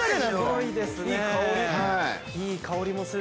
◆いい香りですね。